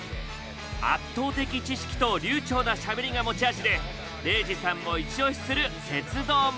圧倒的知識と流ちょうなしゃべりが持ち味で礼二さんもイチオシする鉄道マニア！